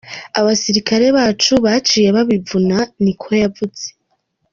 Abasirikare bacu baciye babivuna," niko yavuze.